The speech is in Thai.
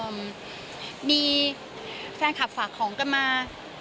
มีแฟนคลับฝากของกันมา